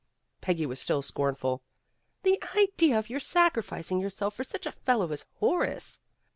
Peggy was still scornful. "The idea of your sacrificing yourself for such a fellow as Horace."